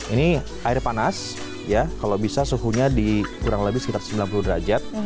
ini air panas ya kalau bisa suhunya di kurang lebih sekitar sembilan puluh derajat